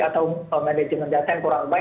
atau manajemen data yang kurang baik